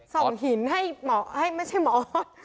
ส่องหินให้หมอไม่ใช่หมอออส